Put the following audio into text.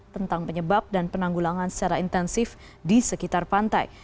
tentang penyebab dan penanggulangan secara intensif di sekitar pantai